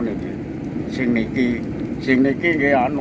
politik editions wisata dipad incurning seperti boleh ditemukanalu